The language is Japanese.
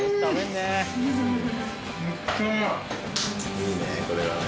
いいねこれがね。